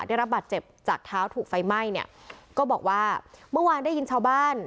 ได้รับบาดเจ็บจากเท้าถูกไฟไหม้เนี่ยก็บอกว่าเมื่อวานได้ยินชาวบ้าน